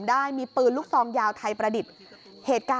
พอหลังจากเกิดเหตุแล้วเจ้าหน้าที่ต้องไปพยายามเกลี้ยกล่อม